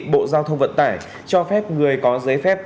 bộ giao thông vận tải cho phép người có giấy phép